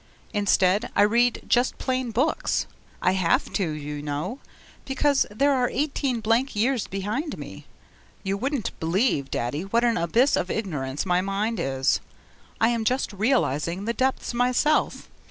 Instead, I read just plain books I have to, you know, because there are eighteen blank years behind me. You wouldn't believe, Daddy, what an abyss of ignorance my mind is; I am just realizing the depths myself.